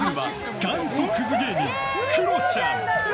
元祖クズ芸人、クロちゃん。